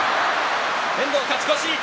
遠藤、勝ち越し。